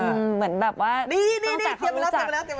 นี่นี่นี่เตรียมอ่านล่ะ